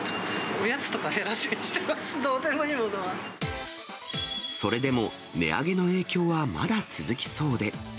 おやつとか減らすようにしてます、それでも、値上げの影響はまだ続きそうで。